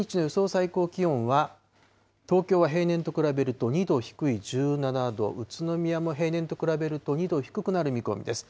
最高気温は、東京は平年と比べると２度低い１７度、宇都宮も平年と比べると２度低くなる見込みです。